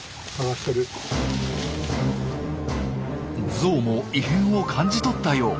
ゾウも異変を感じ取ったよう。